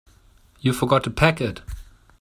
You forgot to pack it.